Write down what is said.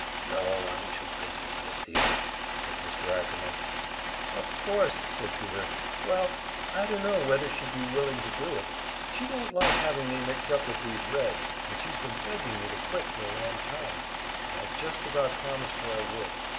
"No, I'm too busy for the theatre," said Mr. Ackerman. "Of course," said Peter. "Well, I dunno whether she'd be willing to do it; she don't like having me mix up with these Reds, and she's been begging me to quit for a long time, and I'd just about promised her I would.